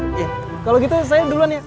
oke kalau gitu saya duluan ya